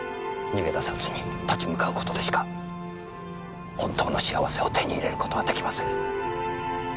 逃げ出さずに立ち向かう事でしか本当の幸せを手に入れる事は出来ません。